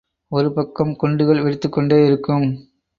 ஒரு பக்கம் குண்டுகள் வெடித்துக் கொண்டே இருக்கும்!